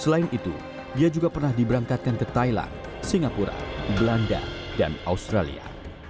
selain itu dia juga pernah diberangkatkan ke thailand singapura belanda dan australia